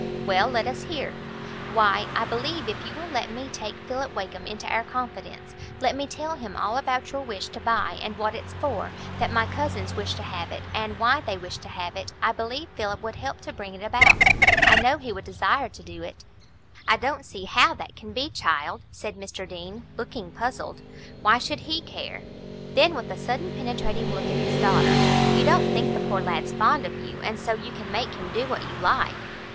"Well, let us hear." "Why, I believe, if you will let me take Philip Wakem into our confidence,—let me tell him all about your wish to buy, and what it's for; that my cousins wish to have it, and why they wish to have it,—I believe Philip would help to bring it about. I know he would desire to do it." "I don't see how that can be, child," said Mr Deane, looking puzzled. "Why should he care?"—then, with a sudden penetrating look at his daughter, "You don't think the poor lad's fond of you, and so you can make him do what you like?"